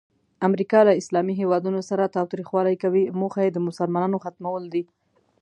امریکا له اسلامي هیوادونو سره تاوتریخوالی کوي، موخه یې د مسلمانانو ختمول دي.